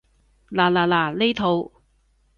嗱嗱嗱，呢套